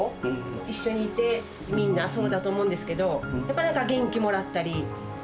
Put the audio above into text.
一緒にいて、みんなそうだと思うんですけど、やっぱり元気もらったり。